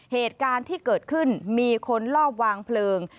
เหตุการณ์ที่เกิดขึ้นมีคนลอบวางเพลิง